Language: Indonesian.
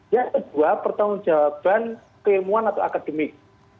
yang kedua pertanggung jawaban keilmuan atau akademik